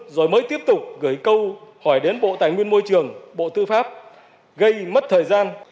rồi mới tiếp tục gửi câu hỏi đến bộ tài nguyên môi trường bộ tư pháp gây mất thời gian